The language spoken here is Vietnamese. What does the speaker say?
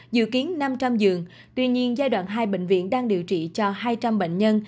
dự kiến năm trăm linh giường tuy nhiên giai đoạn hai bệnh viện đang điều trị cho hai trăm linh bệnh nhân